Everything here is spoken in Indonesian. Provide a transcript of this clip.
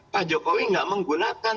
pak jokowi tidak menggunakan